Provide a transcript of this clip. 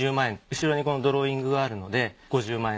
後ろにこのドローイングがあるので５０万円。